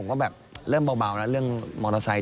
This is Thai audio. ก็แบบเริ่มเบาแล้วเรื่องมอเตอร์ไซค